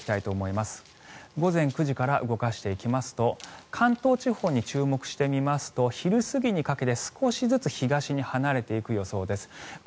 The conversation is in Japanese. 午前９時から動かしていきますと注目してみますと昼過ぎにかけて少しずつ東に離れていきます。